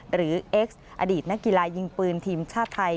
เอ็กซ์อดีตนักกีฬายิงปืนทีมชาติไทย